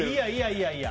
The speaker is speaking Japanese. いやいや。